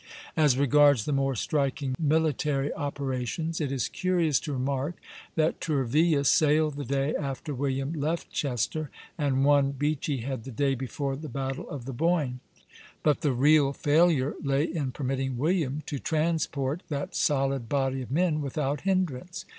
As regards the more striking military operations, it is curious to remark that Tourville sailed the day after William left Chester, and won Beachy Head the day before the battle of the Boyne; but the real failure lay in permitting William to transport that solid body of men without hindrance.